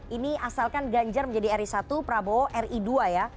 ini asalkan ganjar menjadi ri satu prabowo ri dua ya